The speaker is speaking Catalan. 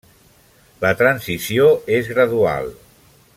La transició és gradual.